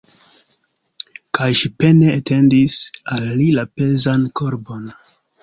Kaj ŝi pene etendis al li la pezan korbon.